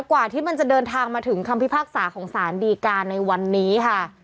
กว่าที่มันจะเดินทางมาถึงคำพิพากษาของสารดีการในวันนี้ค่ะ